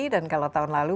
dan kalau tahun lalu